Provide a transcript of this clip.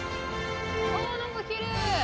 あなんかきれい！